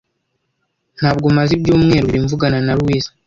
Ntabwo maze ibyumweru bibiri mvugana na Luis.